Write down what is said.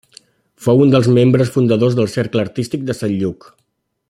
Fou un dels membres fundadors del Cercle Artístic de Sant Lluc.